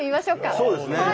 そうですね。